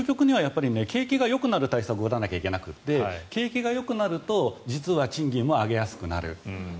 究極には景気がよくなる対策を打たないといけなくて景気がよくなると実は賃金も上げやすくなる。